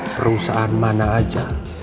perusahaan mana aja